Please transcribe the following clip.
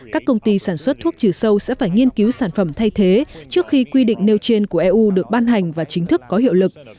các công ty sản xuất thuốc trừ sâu sẽ phải nghiên cứu sản phẩm thay thế trước khi quy định nêu trên của eu được ban hành và chính thức có hiệu lực